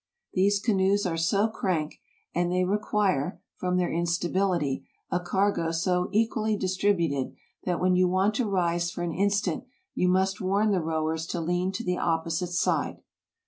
These canoes are so crank, and they require, from their instability, a cargo so equally distributed, that when you want to rise for an instant you must warn the rowers to lean to the opposite side.